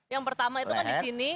yang pertama itu kan disini